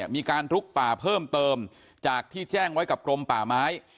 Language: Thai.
มีการลุกป่าเพิ่มเติมจากที่แจ้งไว้กับกรมป่าไม้